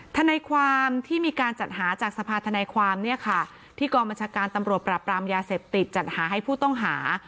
ทนายความที่มีการจัดหาจากสภาธนายความเนี่ยค่ะที่กองบัญชาการตำรวจปราบรามยาเสพติดจัดหาให้ผู้ต้องหา